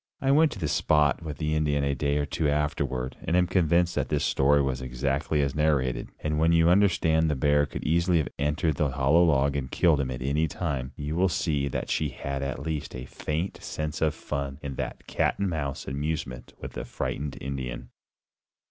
I went to the spot with the Indian a day or two afterward, and am convinced that his story was exactly as narrated. And when you understand that the bear could easily have entered the hollow log and killed him at any time, you will see that she had at least a faint sense of fun in that "cat and mouse" amusement with the frightened Indian.